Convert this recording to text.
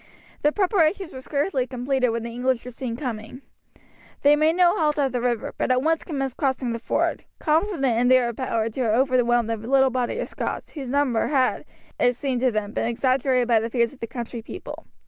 The preparations were scarcely completed when the English were seen approaching. They made no halt at the river, but at once commenced crossing at the ford, confident in their power to overwhelm the little body of Scots, whose number had, it seemed to them, been exaggerated by the fears of the country people.